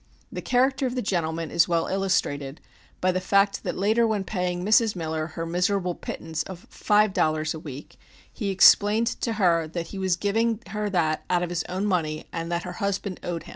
The character of the gentleman is well illustrated by the fact that later when paying Mrs. Miller her miserable pittance of five dollars per week, he explained to her that "he was giving her that out of his own money, and that her husband owed him."